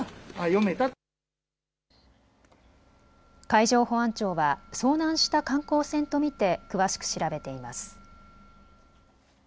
海上保安庁は遭難した観光船と見て詳しく調べています。